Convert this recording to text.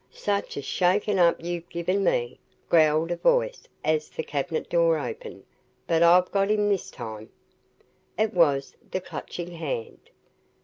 "Such a shaking up as you've given me!" growled a voice as the cabinet door opened. "But I've got him this time!" It was the Clutching Hand.